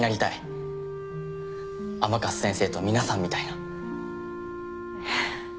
甘春先生と皆さんみたいな。